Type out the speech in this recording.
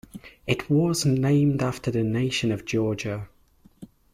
It was named after the nation of Georgia.